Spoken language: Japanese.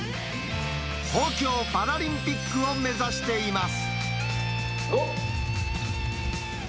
東京パラリンピックを目指しています。